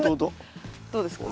どうですか？